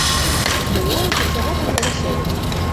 Было іх усяго паўтары сотні.